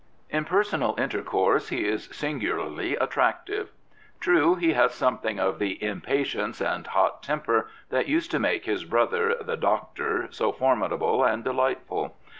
In personal intercourse he is singularly attractive. True, he has something of the impatience and hot temper that used to make his brother, the Doctor,'" so formidable and delightful.